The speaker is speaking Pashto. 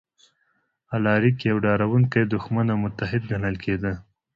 الاریک یو ډاروونکی دښمن او متحد ګڼل کېده